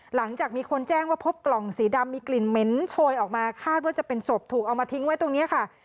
หลังจากมีคนแจ้งว่าพบกล่องสีดำมีกลิ่นเหม็นโชยออกมาคาดว่าจะเป็นศพถูกเอามาทิ้งไว้ตรงนี้ค่ะ